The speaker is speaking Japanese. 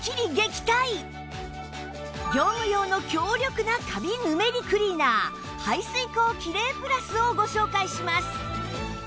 業務用の強力なカビ・ヌメリクリーナー排水口キレイプラスをご紹介します！